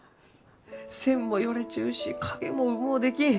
線もよれちゅうし影もうもうできん！